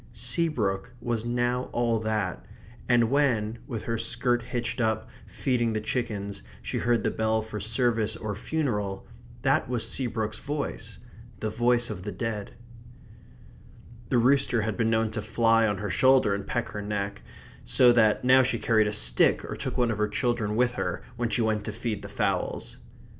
Seabrook was now all that; and when, with her skirt hitched up, feeding the chickens, she heard the bell for service or funeral, that was Seabrook's voice the voice of the dead. The rooster had been known to fly on her shoulder and peck her neck, so that now she carried a stick or took one of the children with her when she went to feed the fowls.